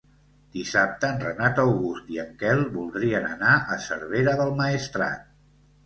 Dissabte en Renat August i en Quel voldrien anar a Cervera del Maestrat.